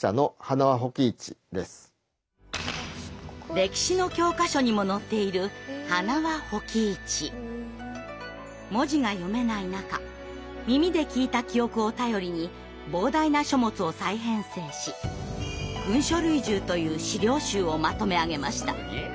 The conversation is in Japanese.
歴史の教科書にも載っている文字が読めない中耳で聞いた記憶を頼りに膨大な書物を再編成し「群書類従」という史料集をまとめ上げました。